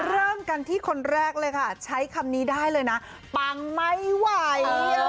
เริ่มกันที่คนแรกเลยค่ะใช้คำนี้ได้เลยนะปังไม่ไหว